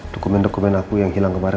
dokumen dokumen aku yang hilang kemarin